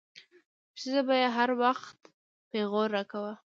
ښځې به يې هر وخت پيغور راکاوه.